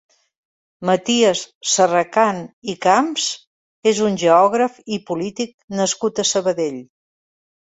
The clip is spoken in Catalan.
Maties Serracant i Camps és un geògraf i polític nascut a Sabadell.